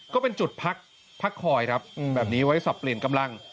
ก็เป็นจุดพักคอยครับแบบนี้ไว้สับเปลี่ยนกำลัง